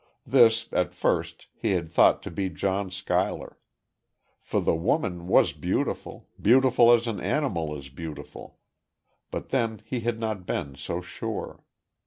This, at first, he had thought to be John Schuyler. For the woman was beautiful beautiful as an animal is beautiful.... But then he had not been so sure.